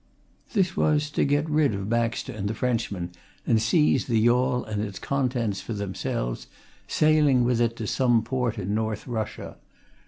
This was to get rid of Baxter and the Frenchman and seize the yawl and its contents for themselves, sailing with it to some port in North Russia.